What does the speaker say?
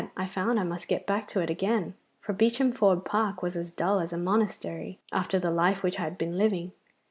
I found I must get back to it again, for Beacham Ford Park was as dull as a monastery after the life which I had been living.